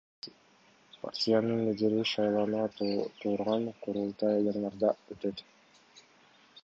Партиянын лидери шайлана турган курултай январда өтөт.